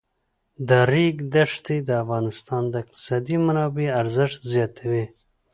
د ریګ دښتې د افغانستان د اقتصادي منابعو ارزښت زیاتوي.